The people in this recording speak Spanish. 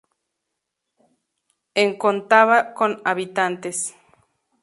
En contaba con habitantes.